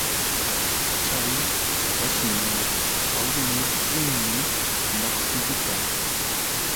Chay pashña awnirqunmi maqtilluta.